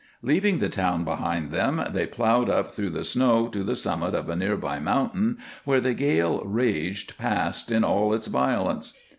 Leaving the town behind them, they plowed up through the snow to the summit of a near by mountain where the gale raged past in all its violence.